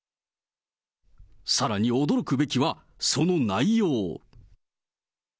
さらに驚くべきはその内容。